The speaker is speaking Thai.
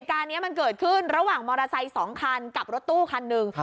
การนี้มันเกิดขึ้นระหว่างมอเตอร์ไซค์๒คันกับรถตู้คันหนึ่ง